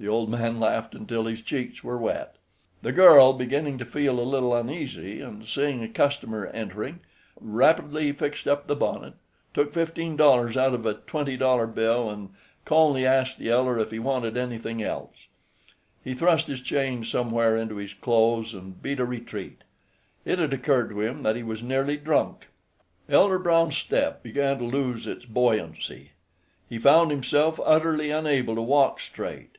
The old man laughed until his cheeks were wet. The girl, beginning to feel a little uneasy, and seeing a customer entering, rapidly fixed up the bonnet, took fifteen dollars out of a twenty dollar bill, and calmly asked the elder if he wanted anything else. He thrust his change somewhere into his clothes, and beat a retreat. It had occurred to him that he was nearly drunk. Elder Brown's step began to lose its buoyancy. He found himself utterly unable to walk straight.